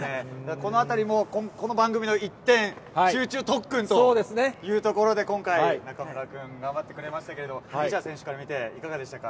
このあたりも、この番組の一点集中特訓というところで、今回、中村君、頑張ってくれましたけれども、西矢選手から見ていかがでしたか？